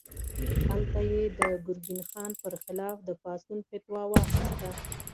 هلته یې د ګرګین خان پر خلاف د پاڅون فتوا واخیسته.